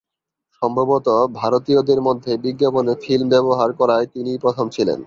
সম্ভবতঃ, ভারতীয়দের মধ্যে বিজ্ঞাপনে ফিল্ম ব্যবহার করায় তিনিই প্রথম ছিলেন।